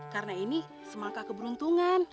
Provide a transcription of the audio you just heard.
karena ini semangka keberuntungan